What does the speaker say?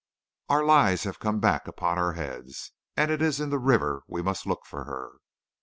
'Our lies have come back upon our heads, and it is in the river we must look for her.'